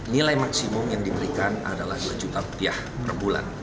nilai maksimum yang diberikan adalah rp dua per bulan